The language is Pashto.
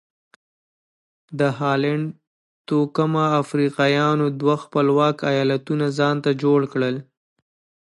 د هالنډ توکمه افریقایانو دوه خپلواک ایالتونه ځانته جوړ کړل.